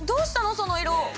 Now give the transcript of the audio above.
その色！